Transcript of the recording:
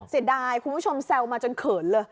เสียดายคุณผู้ชมแซวมาจนเขินเลย